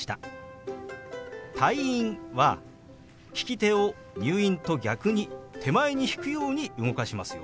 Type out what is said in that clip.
「退院」は利き手を「入院」と逆に手前に引くように動かしますよ。